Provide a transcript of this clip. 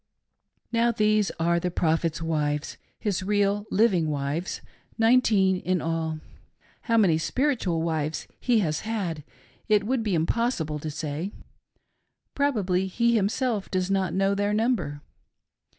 Now these are the Prophet's wives — his real, living wives — nineteen in all. How many spiritual wives he has had it would be impossible to say. Probably he himself does not know their number.